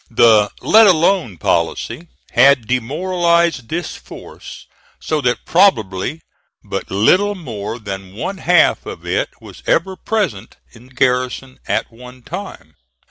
The let alone policy had demoralized this force so that probably but little more than one half of it was ever present in garrison at any one time.